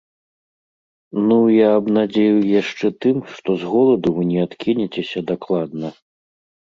Ну, я абнадзею яшчэ тым, што з голаду вы не адкінецеся дакладна.